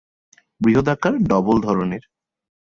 বৃহদাকার ডবল ধরনের।